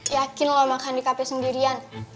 yakin lo makan di cafe sendirian